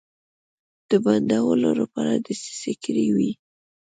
د بندولو لپاره دسیسې کړې وې.